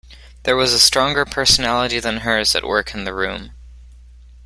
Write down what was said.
There was a stronger personality than hers at work in the room.